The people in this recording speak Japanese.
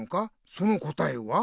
その答えは？